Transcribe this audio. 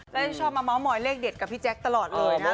และชอบมาม้อมอยเลขเด็ดกับพี่แจ๊คตลอดเลยนะคะ